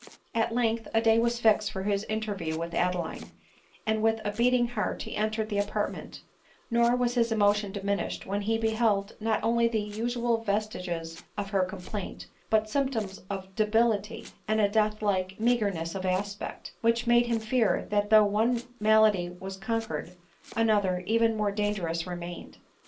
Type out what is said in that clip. At length a day was fixed for his interview with Ade line, and with a beating heart he entered the apartment ; nor was his emotion diminished when he beheld not only the usual vestiges of her complaint, but symptoms of debility, and a death like meagerness of aspect, which made him fear that though one malady was conquered, another, even more dangerous remained.